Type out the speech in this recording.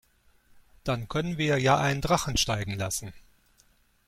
Dann können wir ja einen Drachen steigen lassen.